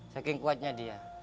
saking kuatnya dia